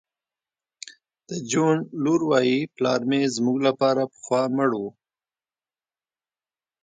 د جون لور وایی پلار مې زموږ لپاره پخوا مړ و